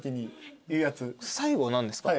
最後何ですか？